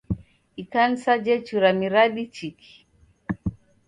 Ikanisa jechura miradi chiki.